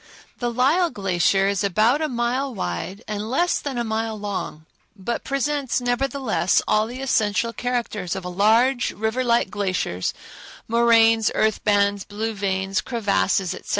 The Lyell Glacier is about a mile wide and less than a mile long, but presents, nevertheless, all the essential characters of large, river like glaciers—moraines, earth bands, blue veins, crevasses, etc.